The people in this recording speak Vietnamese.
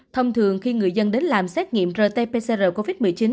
thông thường khi người dân đến làm xét nghiệm rt pcr covid một mươi chín